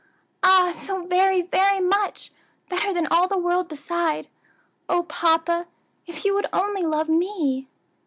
"Ah! so very, very much! better than all the world beside. O papa! if you would only love me."